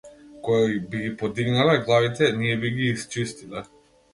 Кога би ги подигнале главите, ние би ги исчистиле!